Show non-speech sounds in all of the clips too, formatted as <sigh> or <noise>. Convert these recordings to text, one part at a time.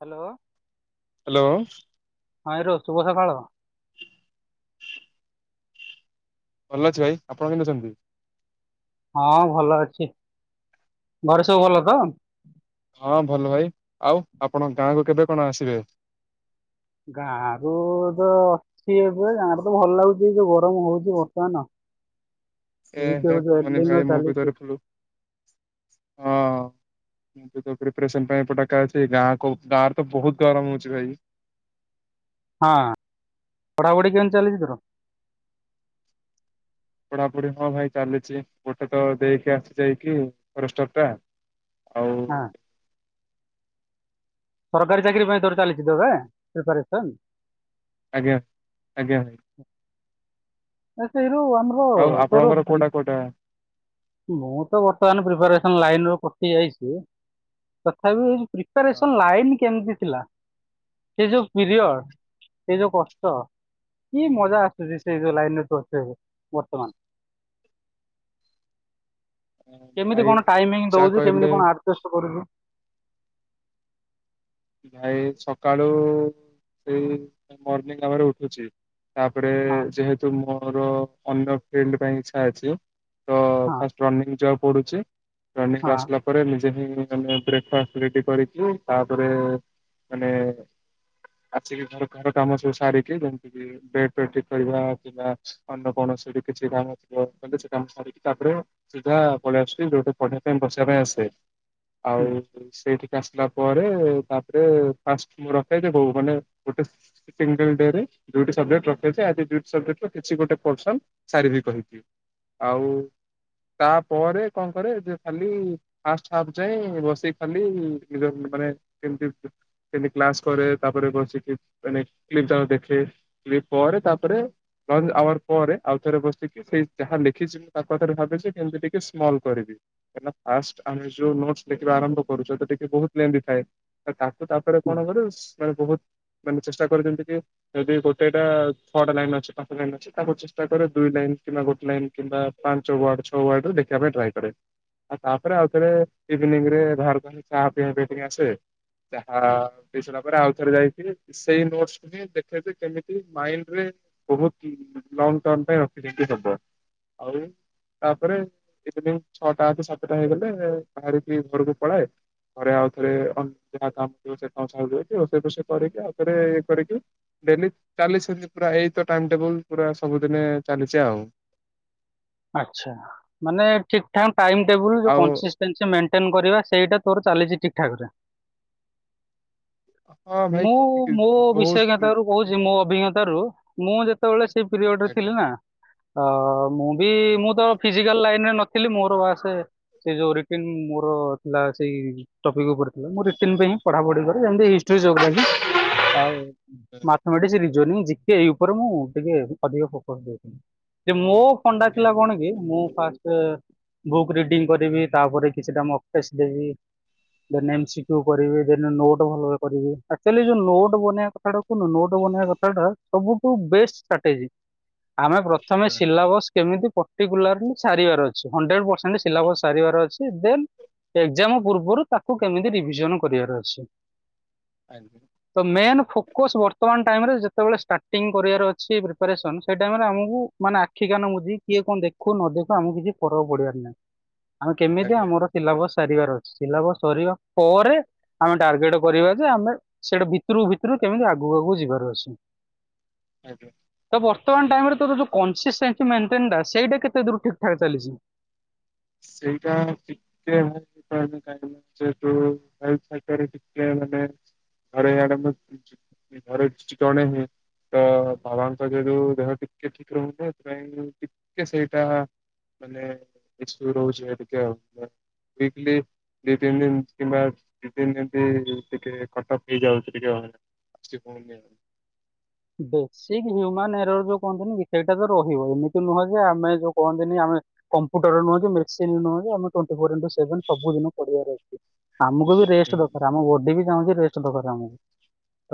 Hello. Hello. ଭାଇ ର ଶୁଭ ସକାଳ। ଭଲ ଅଛି ଭାଇ ଆପଣ କେମିତି ଅଛନ୍ତି? ହଁ ଭଲ ଅଛି ଘରେ ସବୁ ଭଲ ତ? ହଁ ଭଲ ଭାଇ ଆଉ ଆପଣଙ୍କ ଗାଁକୁ କେବେ କଣ ଆସିବେ? ଗାଁ କୁ ତ ସିଏ ପୁରା ଗାଁ ରେ ତ ଭଲ ଲାଗୁଚି ଏଇ ଯୋଉ ଗରମ ହଉଚି ବର୍ତ୍ତମାନ। ଏ ହେ କୁହନି ଭାଇ <unintelligible> ମୁଁ ବି ତୋର ଚାଲିଚି। ଫୁଲ ପ୍ରିପ୍ରସନ୍ ପାଇଁ ଏପଟାକା ଅଛି ଗାଁ କ ଗାଁରେ ତ ବହୁତ ଗରମ ହଉଚି ଭାଇ। ହଁ ପଢାପଢ଼ି କେମିତି ଚାଲିଚି ତୋର? ପଢାପଢି ହଁ ଭାଇ ଚାଲିଚି ଗୋଟେ ତ ଦେଇକି ଆସି ଯାଇକି ଫରେଷ୍ଟର ଟା ଆଉ ହଁ। ସରକାରୀ ଚାକିରି ପାଇଁ ତୋର ଚାଲି ଥିଲା ପା ପ୍ରିପାରେସନ୍? ଆଜ୍ଞା ଆଜ୍ଞା ଭାଇ। ଆ ସେଇରୁ ଆମର ଆଉ ତର ଆପଣଙ୍କର କୋଉଟା ଫି କୋଉଟା? ମୁଁ ତ ବର୍ତ୍ତମାନ ପ୍ରିପାରେସନ୍ ଲାଇନ୍ ରୁ କଟି ଯାଇଚି ତଥାପି ହଁ ପ୍ରିପାରେସନ୍ ଲାଇନ୍ କେମିତି ଥିଲା ସେ ଯୋଉ ପିରିୟଡ଼ ସେ ଯୋଉ କଷ୍ଟ କି ମଜା ଆସୁଚି ସେଇ ଯୋଉ ଲାଇନ ରେ <unintelligible> ହବ ବର୍ତ୍ତମାନ। ହଁ ଭାଇ କେମିତି କଣ ଟାଇମିଂ ଯାହା ଦଉଚୁ କେମତି କହିଲେ କଣ ଆଡଜଷ୍ଟ କରୁଚୁ। ଭାଇ ସକାଳୁ ସେଇ ମର୍ଣିିଂ ଆୱାରରେ ଉଠୁଚି। ତାପରେ ହଁ ଯେହେତୁ ମୋର ଅନ୍ୟ ଫିଲ୍ଡ ପାଇଁ ଇଛା ଅଛି। ତ ହଁ ଫାଷ୍ଟ ରନିଙ୍ଗ ଯିବାକୁ ପଡୁଚି ରନିଂ ହଁ ଆସିଲା ପ ନିଜେ ହିଁ ମାନେ ବ୍ରେକ୍ଫାଷ୍ଟ ରେଡି କରିକି ତାପରେ ମାନେ ଆସିକି ଘର କାମ ସବୁ ସାରିକି ଯେମିତି କି ବେଡ଼ ଫେଡ଼ ଠିକ କରିବା କିବା। ଅନ୍ୟ କୌଣସି କିଛି କାମ ଥିବ ସେ କାମ ସାରିକି ତାପରେ ସିଧା ପଳେଇଆସୁଚି ଯୋଉଠି ପଢିବା ପାଇଁ ବସିବା ପାଇଁ ଆସେ ଆଉ ହୁଁ ସେଇଠିକି ଆସିଲା ପରେ ଏଁ ତାପରେ ଫାଷ୍ଟ ରଖେଇଦବୁ ମାନେ ଗୋଟେ ଟିମଟିମ ଡେ ରେ ଡିଉଟି ସରିଯାଏ ପ୍ରୋଟେକ ଆଜି ଡିଉଟି ସର୍ଭେଣ୍ଟ କିଛି ଗୋଟେ ପର୍ସନ୍ ସାରିିବି କହିକି ଆଉ ତାପରେ କଣ କରେ ଯେ ଖାଲି ଫାଷ୍ଟ ହାପ୍ ରେ ରୋଷେଇ କଲି କିନ୍ତୁ ମାନେ ଟିମଟିମ ଦୁରା ସେଠିଁ କ୍ଲାସ କରେ ତାପରେ ବସିକି ମାନେ କ୍ଲିପ ତକ ଦେଖେ। କିଂଳ୍ପୀ ପରେ ତାପରେ ଲଙ୍ଗ ଆୱାର ପରେ ଆଉ ଥରେ ବସିକି ସେଇ ଯାହା ଲେଖିଛି ତା ପାଖରେ ଭାବି କେମିତି ଟିକେ ସ୍ମଲ୍ କରିବି। କାହିଁକିନା ଫାଷ୍ଟ ଆମେ ଯୋଉଁ ନୋଟସ ଲେଖିବା ଆରମ୍ଭ କରୁଛୁ ଟିକେ ବହୁତ କ୍ଲେମ୍ ବି ଥାଏ। ତାକୁ ତାପରେ ହୁଁ କଣ କରୁ ମାନେ ବହୁତ ମାନେ ଚେଷ୍ଟା କରୁ ଯେମିତି ଟିକେ ଯଦି ଗୋଟେଟା ଛଅଟା ଲାଇନ୍ ଅଛି ପାଞ୍ଚ ଲାଇନ୍ ଅଛି ତାକୁ ଚେଷ୍ଟା କର ଦୁଇ ଲାଇନ୍ କିମ୍ବା ଗୋଟେ ଲାଇନ୍ କିମ୍ବା ପାଞ୍ଚ ୱାର୍ଡ ଛଅ ୱାର୍ଡରେ ଦେଖିବା ପାଇଁ ଟ୍ରାଏ କରେ ଆଉ ତାପରେ ଆଉ ଥରେ ଇଭିନିଂ ରେ ଭାରକୁ ଆସି ଚା ପିଇବା ପାଇଁ ଟିକେ ଆସେ ଚାହା ପିଇ ସାରିଲା ପରେ ଆଉ ଥରେ ଯାଇକି ସେଇ ନୋଟ୍ସ ଏଁ ଦେଖେ ଯେ କେମିତି ମାଇଣ୍ଡରେ ବହୁତି ଲଙ୍ଗ ଟମ୍ର ପାଇଁ ରଖିଦେଇକି ହବ। ଆଉଁ ତାପରେ ଇଭିନିଂ ଛଅଟା କି ସାତଟା ହେଇଗଲେ ଭାହାରିକି ଘରକୁ ପଳାଏ ଘରେ ଆଉ ଥରେ ଅନ ଯାହା କାମଥିବ ସେ କାମ ସାରି ଦେଇକି ରୋଷେଇ ଫଷେଇ କରିକି ଆଉ ଥରେ ଇଏ କରିକି ଡେଲି ଚାଲିଚି ଏମିତି ପୁରା ଏଇ ଟାଇମ୍ ଟେବୁଲ ପୁରା ସବୁଦିନେ ଚାଲିଛି ଆଉଁ। ଆଚ୍ଛା। ମାନେ ଠିକ ଠାକ ଟାଇମ୍ ଟେବୁଲ ଆଉ କଂସେ୍ସେ ସ୍ଟାନସି ମେନଟେନ୍ କରିବା ସେଇଟା ତୋର ଚାଲିଛି ଠିଁକ ଠାକ ରେ। ହଁ ଭାଇ ମୁଁ କି- କି- ମୋ ବହୁତ ବିଷୟଜ୍ଞତାରୁ କହୁଛି ମୋ ଅଭିଜ୍ଞତା ର ମୁଁ ଯେତେବେଳେ ସେଇ ପିରିୟଡ ରେ ଆଜ୍ଞା ଥିଲି ନାଁ ଆଁ ମୁଁ ବି ହଁ ମୁଁ ତ? ଫିଜିକାଲ ଲାଇନରେ ନଥିଲି ମୋର ବାସ ସେ ଯୋଉଁ ରିଟିନ ମୋର ଥିଲା ସେଇ ଟପିକ୍ ଉପରେଥିଲା ମୁଁ ରିଟିନ୍ ପାଇଁ ପଢା ପଢି କରେ ଯେମିତି ହିଷ୍ଟ ହିଷ୍ଟ୍ରି ଯୋଗ୍ରାଫି ଆଉ ମାଥମେଟିକ୍ସ୍ ରିଜୋନିଂ ଜର୍ଣ୍ଣି ଯେତେ ଏଇ ଉପରେ ମୁଁ ଟିକେ ଅଧିକ ଫୋକସ ଦେଇଥିଲି ଯେ ମୋ ଫଣ୍ଡା ଆଜ୍ଞା ହଁ ଆଜ୍ଞା ଥିଲା କଣ କି ମୁଁ ଫାଷ୍ଟ ଏଁ ବୁକ୍ ରିଡିଙ୍ଗ କରିବି ତାପରେ କିଛିଟା ମକ ଟେଷ୍ଟ ଦେବି। ଦେନେ ଏମ୍ସିକିଉ କରିବି ଦେନେ ନୋଟ୍ ଭଲ କରିବି ଆଚ୍ୟୁୟେଲି ଯୋଉଁ ନୋଟ ବନେଇବା କଥାଟା ଓ ନୋଟ ବନେଇବା କଥାଟା ସବୁଠୁଁ ବେଷ୍ଟ ଷ୍ଟ୍ରାଟେଜି ଆମେ ପ୍ରଥମେ ସିଲାବକ୍ସ କେମିତି ପର୍ଟିକୁଲାରି ସାରିବାର ଅଛି ହଣ୍ଡ୍ରେଡ ପରସେଣ୍ଟ ସିଲାବକ୍ସ ସାରିବାର ଅଛି ଦେନ୍ ଏକ୍ଜାମ ପୂର୍ବରୁ ତାକୁ କେମିତି ରିଭିଜନ କରିବାର ଅଛି। ଆଜ୍ଞା। ତ ମେନ୍ ଫୋକସ୍ ବର୍ତ୍ତମାନ ଟାଇମରେ ଯେତେବେଳେ ଷ୍ଟାର୍ଟିଂ କରିବାର ଅଛି ପ୍ରିପାରେସନ ସେଇ ଟାଇମରେ ଆମକୁ ମାନେ ଆଖି କାନ ମୁଜିକି କିଏ କଣ ଦେଖୁ ନ ଦେଖୁ ଆମକୁ କିଛି ଫରକ ପଡିବାରି ନାହିଁ। ଆମେ କେମିତି ଆମର ସିଲାବକ୍ସ ସାରିବାର ଅଛି ସିଲାବକ୍ସ ସରିବା ପରେ ଆମେ ଟାର୍ଗେଟ କରିବା ଯେ ଆମେ ସେଟା ଭିତରକୁ ଭିତରକୁ କେମିତି ଆଗକୁ ଆଗକୁ ଯିବାର ଅଛି। ଆଜ୍ଞା। ତ ବର୍ତ୍ତମାନ ଟାଇମରେ ତୋର ଯୋଉଁ କନସିସ୍ଟାନସିମେଣ୍ଟେନ ଟା ସେଇଟା କେତେ ଦୂର ଠିଁକ ଠାକ ଚାଲିଛି। ସେଇଟା ଟିକେ <unintelligible> ଟିକେ ମାନେ ଘରେ <unintelligible> ଘରେ ଚିକଣ ହ ତ ବାବାଙ୍କ ଦୟାରୁ ଦେହ ଟିକେ ଠିକ ରୁହନ୍ତା ସେଥିପାଇଁ ଟିକେ ସେଇଟା ମାନେ <unintelligible> ରହୁଛିଲି ଦି ତିନି ଦିନ କିମ୍ବା ଦି ତିନ ଯେମତି ଟିକେ କଟକ ହେଇଯାଉଛି ଟିକେ ଆଉ ହେରା। ଆଛି <unintelligible> ଫୋ ନେଇ ବେସିକ ହ୍ୟୁମାନ ଏରର ଯୋଉ କହନ୍ତିନିକି ସେଇଟା ତ ରହିବ ଏମିତି ନୁହଁ ଯେ ଆମେ ଯୋଉ କହନ୍ତିନି ଆମେ କମ୍ପୁଟର ନୁହଁ ଯେ ମେସିନ୍ ନୁହେଁ ଯେ ଆମେ ଟୋଟି ଫେର ସେଭ ସବୁ ଦିନ ପଢିବାର ଅଛି <unintelligible> ଆମକୁ ବି ରେଷ୍ଟ ହୁଁ ଦରକାର ଆମ ବଡି ବି ଚାହୁଁଛି ରେଷ୍ଟ ଦରକାର ଆମକୁ।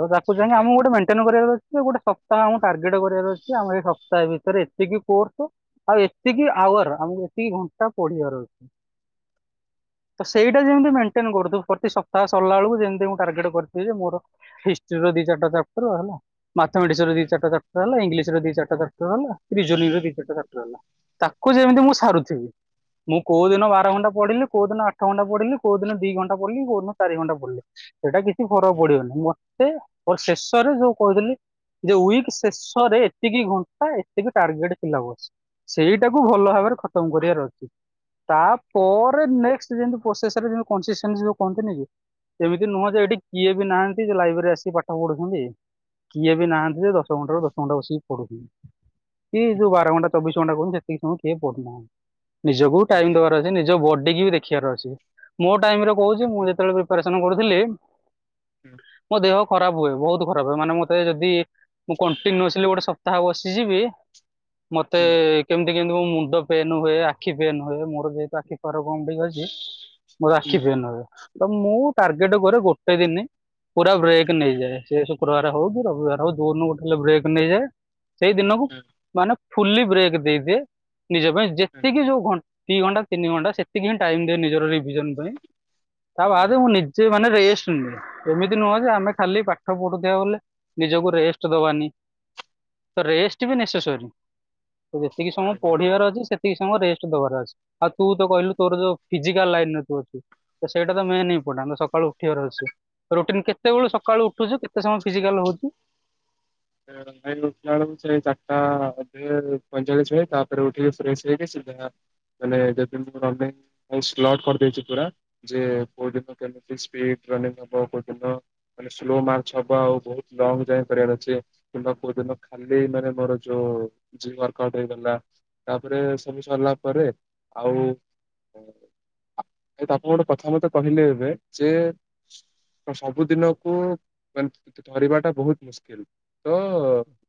ତ ତାକୁ ଯାଇକି ଆଜ୍ଞା ଆମକୁ ଗୋଟେ ମେଣ୍ଟେନ କରିବାକୁ ସେ ଗୋଟେ ସପ୍ତାହ ଆମକୁ ଟାର୍ଗେଟ୍ କରିବାର ଅଛି। ଆମ ଏଇ ସପ୍ତାହେ ଭିତରେ ଏତିକି କୋର୍ସ ଆଉ ଏତିକି ଆୱାର ଆମକୁ ଏତିକି ଘଣ୍ଟା ପଢିବାର ଅଛି। ତ ସେଇଟା ଯେମିତି ମେଣ୍ଟେନ କରିଦବୁ ପ୍ରତି ସ ତ ସରିଲା ବେଳକୁ ଯେମିତି ମୁଁ ଟାର୍ଗେଟ କରିିଥିଲି ଯେ ମୋର ହିଷ୍ଟରୀର ଦି ଚାରଟା ଚାପଟର ହେଲା। ମାଥମେଟିକସ ଦି ହୁଁ ଚାରିଟା ଚାପ୍ଟର ହେଲା, ଇଂଲିଶ ର ଦି ଚାରିଟା ଚାପ୍ଟର ହେଲା, ରିଜନିଗ ର ଦି ଚାରଟା ଚାପ୍ଟର ହେଲା। ତାକୁ ଯେମିତି ମୁଁ ଆଜ୍ଞା ହୁଁ ସାରୁଥିବି। ମୁଁ କୋଉ ଦିନ ବାର ଘଣ୍ଟା ପଢିଲି, କୋଉ ଦିନ ଆଠ ଘଣ୍ଟା ପଢିଲି, କୋଉ ଦିନ ଦି ଘଣ୍ଟା ପଢିଲି, କୋଉ ଦିନ ଚାରି ଘଣ୍ଟା ପଢିଲି। ସେଇଟା କିଛି ଫରକ ପଡିବନି ମତେ ମୋର ଶେଷରେ ଯୋଉ କହୁଥିଲି ଯେ ୱିକ ଶେଷରେ ଏତିକି ଘଣ୍ଟା ଏତିକି ଟାର୍ଗେଟ ଥିଲା ବସ୍। ସେଇଟାକୁ ଭଲ ଭାବରେ ଖତମ୍ କରିବାର ଅଛି। ତା ପରେ ନେକ୍ସଟ୍ ଯେମିତି ପ୍ରୋସେସ୍ ରେ କନ୍ସିଷ୍ଟେନ୍ସି କହନ୍ତିନି କି ଏମିତି ନୁହଁ ଯେ ଏଠି କିଏ ବି ନାହାନ୍ତି ଯେ ଲାଇବ୍ରେରୀ ଆସିକି ପାଠ ପଢୁଛନ୍ତି। କିଏ ବି ନାହାନ୍ତି ଯେ ଦଶ ଘଣ୍ଟାରୁ ଦଶ ଘଣ୍ଟା ବସିକି ପଡୁଥିବି ଏଇ ହୁଁ ଯୋଉ ବାର ଘଣ୍ଟା ଚବିଶ ଘଣ୍ଟା କୁ ସେତିକି ସମୟ କିଏ ପଡୁନାହାନ୍ତି। <unintelligible> ଯେ ଆଜ୍ଞା ନିଜ ବଡି କି ବି ଦେଖିବାର ଅଛି। ମୋ ଟାଇମରେ କହୁଛି ଆଜ୍ଞା ମୁଁ ହୁଁ ଯେତେବେଳେ ପ୍ରିପାରେସନ କରୁଥିଲି। <inaudible> ମୋ ଦେହ ଖରାପ ହୁଏ ବହୁତ ଖରାପ ହୁଏ। ମାନେ ମୋ ମତେ ଯଦି ମୁଁ କଣ୍ଟିନ୍ୟୁସଲି ଗୋଟେ ସପ୍ତାହ ବସିଯିବି ମତେ ହୁଁ ହୁଁ କେମିତି କେମିତି ମୋ ମୁଣ୍ଡ ପେନ୍ ହୁଏ, ଆଖି ପେନ୍ ହୁଏ ମୋର ଯେହେତୁ ଆଖି ପାୱର କମ ଟିକେ ଅଛି ମୋର ଆଖି ପେନ୍ ହୁଏ। ତ ମୁଁ ଟାର୍ଗେଟ କରେ ଗୋଟେ ଦିନ। ପୁରା ବ୍ରେକ୍ ଆଜ୍ଞା ନେଇଯାଏ। ହଁ ସେ ଶୁକ୍ରବାର ହଉ କି ରବିବାର ହଉ ଯୋଉଦିନ ଗୋଟେ ହେଲେ ବ୍ରେକ୍ ନେଇଯାଏ। ସେଇ ଦିନକୁ ମାନେ ଫୁଲି ବ୍ରେକ୍ ଦେଇଦିଏ ନିଜ ପାଇଁ ଆଜ୍ଞା ଯେତିକି ଯୋଉ ଘନ ଦି ଘଣ୍ଟା, ତିନି ଘଣ୍ଟା ସେତିକି ହିଁ ଟାଇମ ଦିଏ ନିଜର ରିଭିଜନ ପାଇଁ। ତା ହଁ ବାଦେ ମୁଁ ନି ସିଏ ମାନେ ରେଷ୍ଟ ନିଏ ଏମିତି ନୁହଁ ଯେ ଆମେ ଖାଲି ପାଠ ପଢୁଥିବା ବୋଲି ନିଜକୁ ରେଷ୍ଟ ଦବାନି। ତ ରେଷ୍ଟ ବି ନେସେସରି। ତ ଯେତିକି ସମୟ ଆଜ୍ଞା ପଢିବାର ଅଛି ସେ ସେତିକ ସମୟ ରେଷ୍ଟ ଦବାର ଅଛି। ଆଉ ତୁ ତ କହିଲୁ ତୋର ଯୋଉ ଫିଜିକାଲ ଲାଇନରେ ତୁ ଅଛୁ। ତ ସେଇଟା ତ ମେନ୍ ଇମ୍ପୋଟାଣ୍ଟ ସକାଳୁ ଉଠିବାର ଅଛି। ରୁଟିନ୍ କେ କେତେବେଳୁ ସକାଳୁ ଉଠୁଛୁ, କେତେ ସମୟ ଫିଜିକାଲ ହଉଚୁ? <inaudible> <unintelligible> ମୁଁ ଉଠିଲା ବେଳକୁ ସେ ଚାରିଟା ଅଧେ ପଇଁଚାଳିଶ ହୁଏ ତାପରେ ଉଠିକି ଫ୍ରେଶ ହେଇକି ସିଧା ମାନେ <unintelligible> ମୁ ସ୍ଲଟ କରିଦଉଛି ପୁରା ଯେ କୋଉ ଦିନ କେମିତି ସ୍ପିଡ <unintelligible> ରନିଙ୍ଗ ହବ କୋଉ ଦିନ ମାନେ ସ୍ଲୋ ମାର୍ଚ୍ଚ ହବ ଆଉ ବହୁତ ଲଙ୍ଗ ଜମ୍ପ କରିବାର ଅଛ <unintelligible> କୋଉଦିନ <unintelligible> ମାନେ ମୋର ଯୋଉ ଜିମୱର୍କଆଉଟ ହେଇଗଲା। ତାପରେ ସବୁ ସରିଲା ପରେ ଆଉ ଆ ଆପଣ ଗୋଟେ କଥା ମତେ କହିଲେ ଏବେ ଯେ ସବୁ ଦିନକୁ ଏମତି ଧରିବା ଟା ବହୁତ ମୁସ୍କିଲ। ତ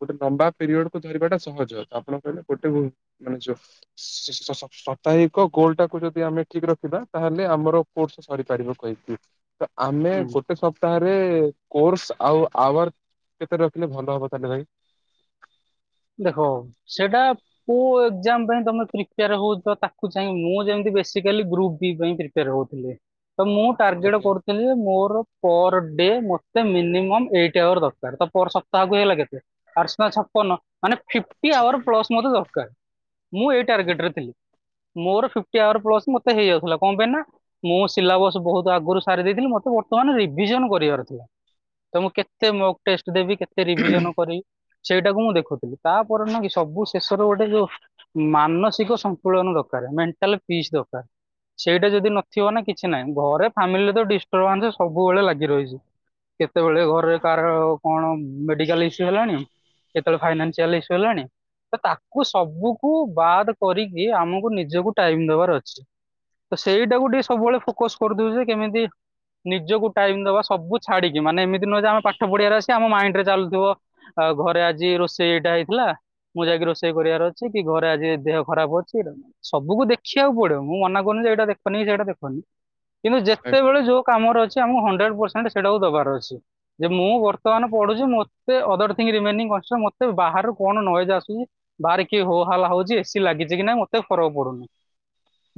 ଗୋଟେ ଲମ୍ବା ପିରିୟଡ କୁ ଧରିବାଟା ସହଜ ଆପଣ କହିଲେ ଗୋଟେ <inaudible> ସାପ୍ତାହିକ ଗୋଲ ଟାକୁ ଯଦି ଆମେ ଠିକ ରଖିବା ତାହେଲେ ଆମର କୋର୍ସ ସରିପାରିବ କହିଲେ। ତ ଆମେ ଗୋଟ ଗୋଟେ ସପ୍ତାହରେ କୋର୍ସ ଆଉ ଆୱାର କେତେ ରଖିଲେ ଭଲ ହବ କହିଲେ ଭାଇ? ଦେଖ ସେଇଟା। କୋ ଏକ୍ଜାମ ପାଇଁ ତମେ ପ୍ରିପେୟାର ହଉଚ ତାକୁ ଚାହିଁ ମୁଁ ଯେମିତି ବେସିକାଲି ଗ୍ରୁପ ବି ପାଇଁ ପ୍ରି ରହୁ ଥିଲେ ତ ମୁଁ ଟାର୍ଗେଟ ଆଜ୍ଞା କରୁଚି ମତେ ମୋର ପରଡେ ମତେ ମିନିମମ୍ ଏଇଟି ଆୱର ଦରକାର ତ ପର ସପ୍ତାହକୁ ହେଲା କେତେ? ଆଠ ସତା ଛପନ। ମାନେ ଫିଫ୍ଟୀ ଆୱାର ପ୍ଲସ୍ ମତେ ଦରକାର ମୁଁ ଏଇ ଆଜ୍ଞା ଟାର୍ଗେଟରେ ଥିଲି। ମୋର ଫିଫ୍ଟି ଆୱାର୍ ପ୍ଲସ୍ ମତେ ହେଇଯାଉଥିଲା କଣ ପାଇଁ ନା ମୁଁ ସିଲାବସ ବହୁତ ଆଗରୁ ସାରି ଦେଇେଇଥିଲି ମତେ ବର୍ତ୍ତମାନ ରିଭିଜନ କରିବାର ଥିଲା। ତ ମୁଁ କେତେ ମକ ଟେଷ୍ଟ ଦେବି କେତେ ରିଭିଜନ କରିବି ସେଇଟାକୁ ମୁଁ ଦେଖୁଛି। ତାପରେ ନୁହଁ କି ସବୁ ଶେଷର ଗୋଟେ ଯୋଉ ମାନସିକ ସନ୍ତୁଳନ ଦରକାର ମେଣ୍ଟାଲ ପିସ୍ ଦରକାର। ସେଇଟା ଯଦି ନଥିବ ନା କିଛି ନାହିଁ ଘରେ ଫାମିଲିରେ ତ ଡିଷ୍ଟର୍ବାନ୍ସ ସବୁବେଳେ ଲାଗି ରହିଛି। କେତେବେଳେ ଘରେ କହାର କଣ ମେଡିକାଲ ଇସୁ ହେଲାଣି କେତେବେଳେ ଫାଇନା ଚିଆଲ ଇଷୁ ହେଲାଣି। ତ ତାକୁ ସବୁକୁ ବାଦ କରିକି ଆମକୁ ନିଜକୁ ଟାଇମ ଦବାର ଅଛି। ସେଇଟାକୁ ଆଜ୍ଞା ଟିକେ ସବୁବେଳେ ଫୋକସ କରୁଥିବେଯେ କେମିତି ନିଜକୁ ଟାଇମ ଦବା ସବୁଛାଡିକି ମାନେ ଏମିତି ନୁହେଁଯେ ଆମେ ପାଠପଢ଼ିଆରେ ଅଛି ଆମ ମାଇଣ୍ଡ ରେ ଚାଲୁଥିବ ଆଉ ଘରେ ଆଜି ରୋଷେଇ ଏଇଟା ହେଇଥିଲା ମୁଁ ଯାଇକି ରୋଷେଇ କରିବାରଅଛି କି ଘରେ ଆଜି ଦେହ ଖରାପ ଅଛି। ସବୁକୁ ଦେଖିବାକୁ ପଡିବ ମୁଁ ମନା କରୁନି ଯେଏଇଟା ଦେଖନି ସେଇଟା ଦେଖନି କିନ୍ତୁ ଆଜ୍ଞା ଯେତେବେଳେ ଯୋଉ କାମର ଅଛି ଆମ ହଣ୍ଡ୍ରେଡ ପରସେଣ୍ଟ ସେଟାକୁ ଦବାର ଅଛି ଯେ ମୁଁ ବତ୍। ଆଜ୍ଞା ଵର୍ତମାନ ଆଜ୍ଞା ପଢୁଛି ମତେ ଅଦର ଥିଁଙ୍କି ରିମେଇନିଙ୍ଗ କଂସେ ମତେ ବାହାରୁ କଣ ନଏଜ ଆସୁଛି। ବାହାରେ କିିଏ ହୋହାଲ୍ଲା ହୋଉଚି ଏସି ଲାଗିଛି କି ନାଇଁ ମତେ ଫରକ ପଡୁନି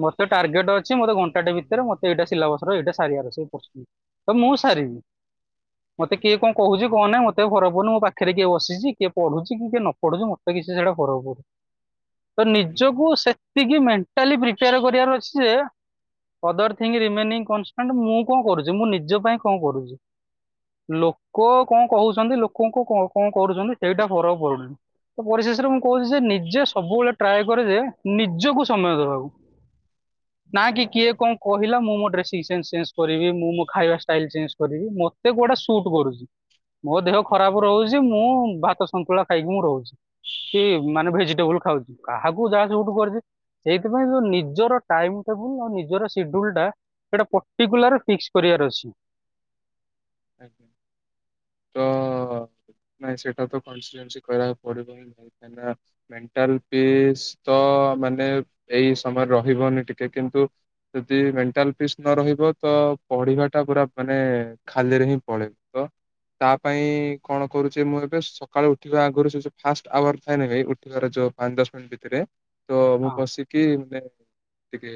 ମତେ ଟାର୍ଗେଟ ଅଛି। ଛି ମତେ ଘଣ୍ଟାଟେ ଭିତରେ ମତେ ଏଇଟା ସିଲା ବସ ର ଏଇଟା ସାରିବାରଅଛି ତ ମୁଁ ସାରିବି। ମତେ ଆଜ୍ଞା କିଏ କଣ କହୁଛି କଣ ନାହିଁ ମତେ ଆଉ ଫରକ ପଡୁନି ମୋ ପାଖରେ କିଏ ବସିଛି କିଏ ପଢୁଛି କି କିଏ ନ ପଢୁଛି ମତେ କିଛି ସେଇଟା ଫକରକ ପଡୁନି ତ ନିଜକୁ ସେ ସେତିକି ମେଣ୍ଟାଲି ପ୍ରିପେୟାର କରିବାର ଅଛି ଯେ। ଅଦର ଥିଙ୍ଗ ରିମେନି କନଷ୍ଟାଣ୍ଟ ମୁଁ କଣ କରୁଛି ମୁଁ ନିଜ ପାଇଁ କଣ କରୁଛି। ଲୋକ କଣ କହୁଛନ୍ତି ଲୋକଙ୍କୁ କଣ କଣ କରୁଛନ୍ତି ସେଇଟା ଫରକ ପଡୁନି। ପରିଶେଷରେ ମୁଁ କହୁଛି ଯେ ନିଜେ ସବୁବେଳେ ଟ୍ରାଏ କରେ ଯେ ନିଜକୁ ସମୟ ଦେବାକୁ। ନା କି କିଏ କଣ କହିଲା ମୁଁ ମୋ ଡ୍ରେସିଂ ସେନ୍ସ ଚେଞ୍ଜ କରିବି ମୁଁ ମୋ ଖାଇବା ଷ୍ଟାଇଲ ଚେଞ୍ଜ। କରିବି ମତେ କୋଉଟା ସୁଟ କରୁଛି ମୋ ଦେହ ଖରାପ ରହୁଛି ମୁଁ ଭା ତ ଶନ୍ତୁଳା ଖାଇକି ମୁଁ ରହୁଛି କି ଆଜ୍ଞା। ମାନେ ଆଜ୍ଞା ଭେଜିଟେବୁଲ ଖାଉଛି କାହାକୁ ଯାହା ସୁଟୁ କରିଛି। ସେଇଥିପାଇଁ ଯୋଉ ନିଜର ଟାଇମ୍ ଟେବୁଲ ଆଉ ନିଜର ସିଡୁଲ ଟା। ସେଇଟା ପର୍ଟିକୁଲାର ଫିକ୍ସ କରିବାର ଅଛି। ତ ନାଇଁ ସେଇଟା ତ କନସିଟେନ୍ସି କହିବାକୁ ପଡିବନି। ହେଲା ମେଣ୍ଟାଲ ପିସ୍ ତ ମାନେ ଏଇ ସମୟରେ ରହିବନି ଟିକେ କିନ୍ତୁ ଯଦି ମେଣ୍ଟାଲ ପିସ୍ ନ ରହିବ ତ ପଢିବା ଟା ପୁରା ମାନେ। ଖାଲରେ ହିଁ ପଳେଇ ତ ତା ପାଇଁ କଣ କରୁଛି ମୁଁ ଏବେ ସକାଳୁ ଉଠିବା ଆଗରୁ ସେ ଯୋ ଫାଷ୍ଟ ଆୱାର ଥାଏନି ଭାଇ ଉଠିବାର ଯୋଉ ପାଞ୍ଚ ଦଶ ମିନିଟ୍ ଭିତରେ ତ ମୁଁ ହଁ। ବସିକି ମାନେ ଟିକେ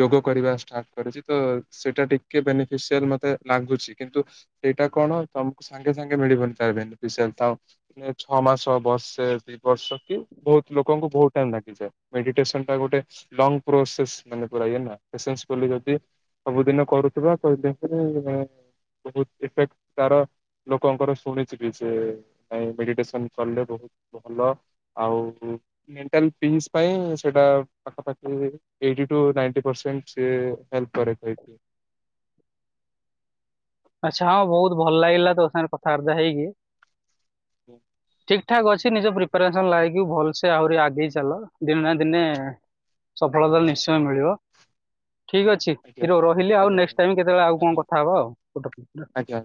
ଯୋଗ କରିବା ଷ୍ଟାର୍ଟ କରିଛି ତ ସେଇଟା ଟିକେ ବେନିଫିସିଆଲ ମତେ ଲାଗୁଛି। କିନ୍ତୁ ସେଇଟା କଣ ତମକୁ ସାଙ୍ଗେ ସାଙ୍ଗେ ମିଳିବନି ତ ବେନିଫିସିଆଲ ତ ଛ ମାସ ବର୍ଷେ ଭି ବର୍ଷ କି ବହୁତ ଲୋକଙ୍କୁ ବହୁତ ଟାଇମ ଲାଗିଯାଏ ମେଡିଟେସନ ଟା ଗୋଟେ ଲଙ୍ଗ ପ୍ରୋସେସ୍ ମାନେ ପୁରା ଇଏନା ପେସେନେ ସ ଫୁଲି ଯଦି ସବୁଦିନ କରୁଥିବା କହିିଲେ ବହୁତ ଇଫେକ୍ଟ ତାର ଲୋକଙ୍କର ଶୁଣିଛିି ବି ସେ ନାଇ ମେଡିଟେସନ କଲେ ବହୁତ ଭଲ ଆଉ ମେଣ୍ଟାଲ ପିସ୍ ପାଇଁ ସେଇଟା ପାଖାପାଖି ଏଇଟି ଟୁ ନାଇଟି ପରସେଣ୍ଟ ସିଏ ହେଲପ କରେ ଖାଇକି ଆଚ୍ଛା ହଁ ବହୁତ ଭଲ ଲାଗିଲା ତୋ ସାଙ୍ଗରେ କଥାବାର୍ତ୍ତା ହେଇକି ଠିକ ଠିକ ଠାକ ଅଛି ନିଜ ପ୍ରିପାରେସନ ଲାଗି ଭଲସେ ଆହୁରି ଆଗେଇ ଚାଲ ଦିନେ ନା ଦିନେ ସଫଳତା ନିଶ୍ଚୟ ମିଳିବ। ଠିକ ଅଛି ଆଜ୍ଞା ହିରୋ ରହିଲି ଆଉ ଆଜ୍ଞା ଆଜ୍ଞା ନେକ୍ସଟ ଟାଇମ କେତେବେଳେ ଆଉ ଆଜ୍ଞା କଣ କଥା ହବା ଆଉ। ଆଜ୍ଞା।